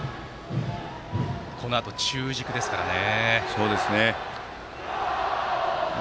このあと中軸ですからね。